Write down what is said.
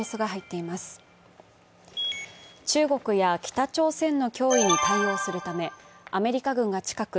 中国や北朝鮮の脅威に対応するためアメリカ軍が近く